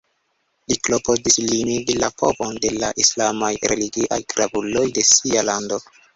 Li klopodis limigi la povon de la islamaj religiaj gravuloj de sia lando.